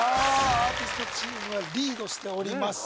アーティストチームがリードしております